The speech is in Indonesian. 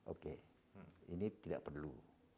oke ini tidak perlu